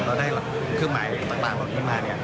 และได้เครื่องหมายต่างตลอดที่มา